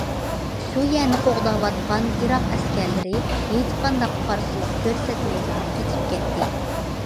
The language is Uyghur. شۇ يەرنى قوغداۋاتقان ئىراق ئەسكەرلىرى ھېچقانداق قارشىلىق كۆرسەتمەيلا قېچىپ كەتتى.